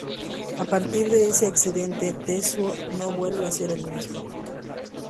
A partir de ese accidente, Tetsuo no vuelve a ser el mismo.